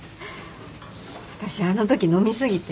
私あのとき飲み過ぎて。